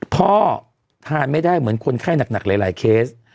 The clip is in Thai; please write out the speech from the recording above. พ่อทานไม่ได้เหมือนคนไข้หนักหลายเคส